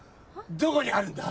どこにあるんだ？